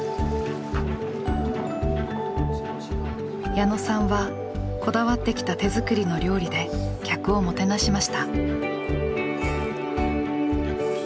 矢野さんはこだわってきた手作りの料理で客をもてなしました。